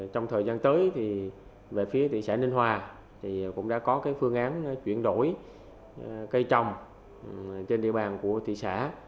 trong thời gian tới về phía thị xã ninh hòa cũng đã có phương án chuyển đổi cây trồng trên địa bàn của thị xã